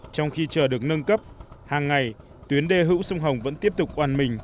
trong khi chờ đường nâng cấp hàng ngày tuyến đê hữu sông hồng vẫn tiếp tục hoàn mình